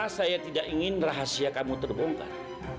karena saya tidak ingin rahasia kamu terbongkar